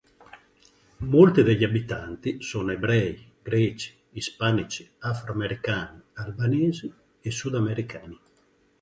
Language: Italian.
Molti degli abitanti sono Ebrei, Greci, Ispanici, Afro-Americani, Albanesi, e Sud Americani.